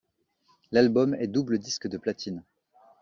L'album est double disque de platine.